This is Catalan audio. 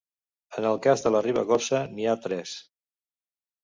En el cas de la Ribagorça n'hi ha tres.